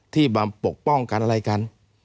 ที่มาปกป้องกันอะไรกัน